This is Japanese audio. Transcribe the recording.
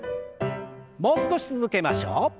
もう少し続けましょう。